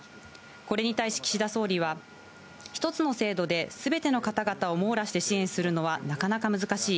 これに対し、岸田総理は一つの制度ですべての方々を網羅して支援するのはなかなか難しい。